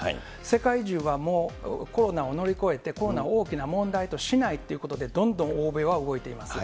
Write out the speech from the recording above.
世界中はもうコロナを乗り越えて、コロナを大きな問題としないということでどんどん欧米は動いています。